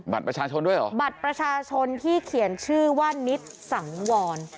บัตรประชาชนด้วยเหรอบัตรประชาชนที่เขียนชื่อว่านิดสังวร